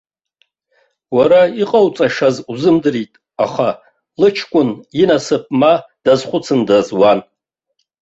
Уара иҟоуҵашаз узымдырит, аха лыҷкәын инасыԥ ма дазхәыцындаз уан.